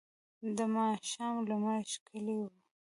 د ماښام لمر ښکلی و.